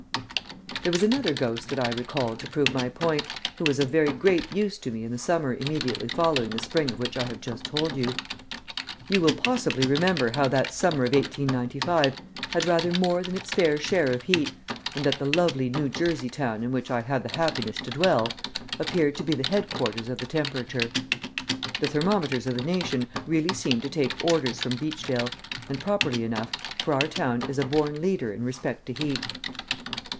There was another ghost that I recall to prove my point, who was of very great use to me in the summer immediately following the spring of which I have just told you. You will possibly remember how that the summer of 1895 had rather more than its fair share of heat, and that the lovely New Jersey town in which I have the happiness to dwell appeared to be the headquarters of the temperature. The thermometers of the nation really seemed to take orders from Beachdale, and properly enough, for our town is a born leader in respect to heat.